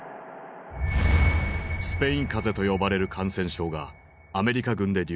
「スペイン風邪」と呼ばれる感染症がアメリカ軍で流行。